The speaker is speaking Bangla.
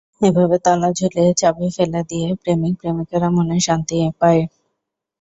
এভাবে তালা ঝুলিয়ে চাবি ফেলে দিয়ে প্রেমিক প্রেমিকারা মনে শান্তি পায়।